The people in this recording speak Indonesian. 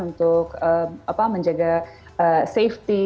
untuk menjaga safety